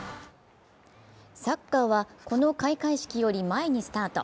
サッカーは、この開会式より前にスタート。